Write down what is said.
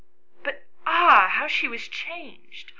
But, ah ! how she was changed